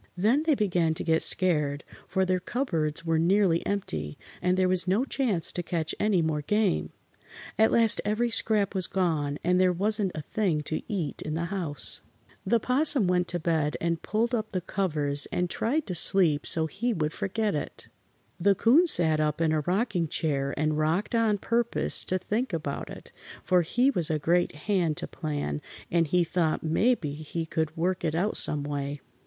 Then they began to get scared, for their cupboards were nearly empty, and there was no chance to catch any more game. At last every scrap was gone, and there wasn't a thing to eat in the house. [Illustration: ROCKED ON PURPOSE TO THINK ABOUT IT.] [Illustration: LOOKED IN QUITE A WHILE, THINKING.] The 'Possum went to bed and pulled up the covers and tried to sleep so he would forget it. The 'Coon sat up in a rocking chair and rocked on purpose to think about it, for he was a great hand to plan, and he thought mebbe he could work it out some way.